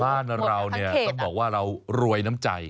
บ้านเราเนี่ยต้องบอกว่าเรารวยน้ำใจ